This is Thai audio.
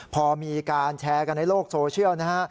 พอมีการแชร์กันในโลกโซเชียลนะฮะ